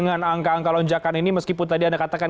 dengan angka angka lonjakan ini meskipun tadi anda katakan